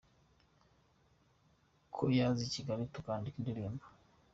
ko yaza i Kigali tukandika indirimbo.